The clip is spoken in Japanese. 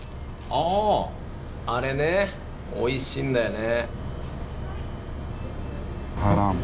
あれねおいしいんだよね。